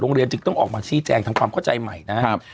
จึงต้องออกมาชี้แจงทำความเข้าใจใหม่นะครับ